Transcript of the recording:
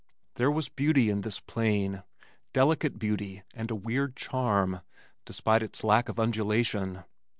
There was beauty in this plain, delicate beauty and a weird charm, despite its lack of undulation.